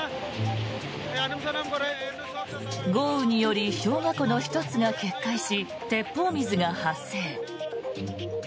豪雨により氷河湖の１つが決壊し鉄砲水が発生。